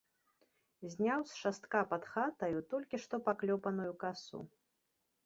Зняў з шастка пад хатаю толькі што паклёпаную касу.